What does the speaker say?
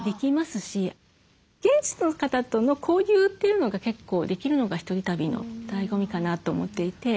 現地の方との交流というのが結構できるのが１人旅のだいご味かなと思っていて。